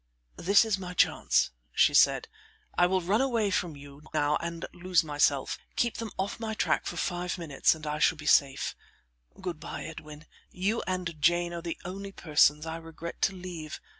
"This is my chance," she said; "I will run away from you now and lose myself; keep them off my track for five minutes and I shall be safe. Good bye, Edwin; you and Jane are the only persons I regret to leave.